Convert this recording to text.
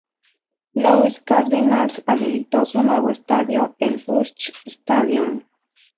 Louis Cardinals habilitó su nuevo estadio, el Busch Stadium.